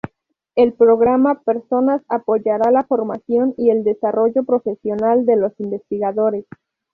El programa Personas apoyará la formación y el desarrollo profesional de los investigadores.